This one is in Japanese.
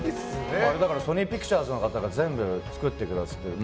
ソニーピクチャーズの方が全部、作ってくださって。